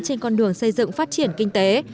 trên con đường xây dựng phát triển kinh tế